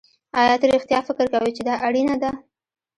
ایا ته رښتیا فکر کوې چې دا اړینه ده